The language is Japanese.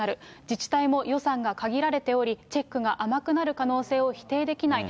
自治体も予算が限られており、チェックが甘くなる可能性を否定できない。